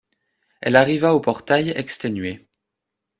Elle arriva au portail exténuée.